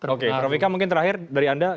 oke rofika mungkin terakhir dari anda